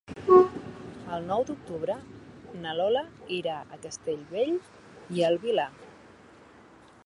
El nou d'octubre na Lola irà a Castellbell i el Vilar.